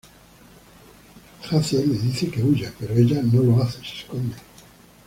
Jace le dice que huya, pero ella no lo hace, se esconde.